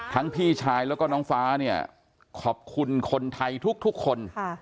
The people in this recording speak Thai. พี่ชายแล้วก็น้องฟ้าเนี่ยขอบคุณคนไทยทุกคน